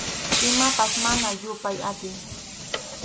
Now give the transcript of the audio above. Imapas mana yupay atiy.